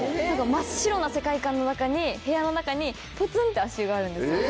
真っ白な世界観の中に部屋の中にポツンって足湯があるんですよ。